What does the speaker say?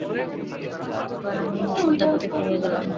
আবার আমি নিঃশব্দপদে ফিরিয়া গেলাম।